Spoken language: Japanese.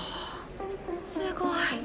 すごい。